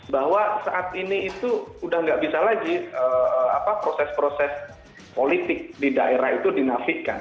bahwa saat ini itu udah nggak bisa lagi proses proses politik di daerah itu dinafikan